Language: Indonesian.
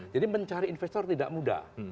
jadi mencari investor tidak mudah